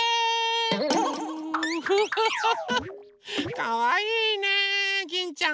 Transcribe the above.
かわいいねギンちゃん。